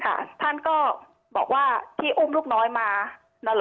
ค่ะท่านก็บอกว่าที่อุ้มลูกน้อยมาแล้วเหรอ